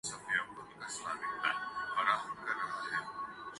ان کی تحریر کا حصہ بنتے چلے جاتے ہیں